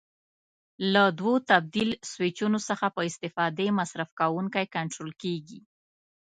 له دوو تبدیل سویچونو څخه په استفاده مصرف کوونکی کنټرول کېږي.